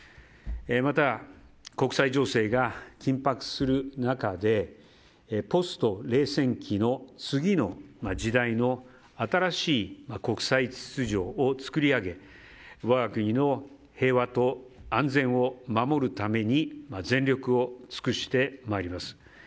また、国際情勢が緊迫する中でポスト冷戦期の次の時代の新しい国際秩序を作り上げ我が国の平和と安全を守るために全力を尽くしてまいります。